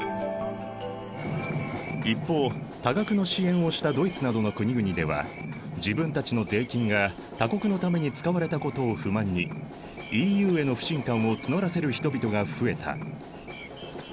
一方多額の支援をしたドイツなどの国々では自分たちの税金が他国のために使われたことを不満にＥＵへの不信感を募らせる人々が増えた。